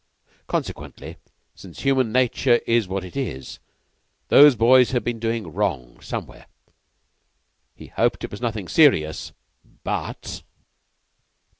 Consequently since human nature is what it is those boys had been doing wrong somewhere. He hoped it was nothing very serious, but...